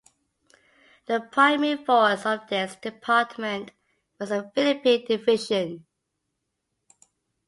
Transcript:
The primary force of this Department was the Philippine Division.